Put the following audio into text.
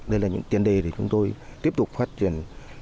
đây là những tiền đề để chúng tôi tiếp tục phát triển